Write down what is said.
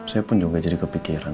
saya pun juga jadi kepikiran